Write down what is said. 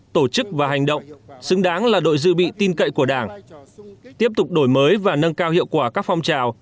tổ chức và hành động xứng đáng là đội dự bị tin cậy của đảng tiếp tục đổi mới và nâng cao hiệu quả các phong trào